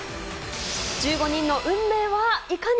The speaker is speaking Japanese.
１５人の運命はいかに。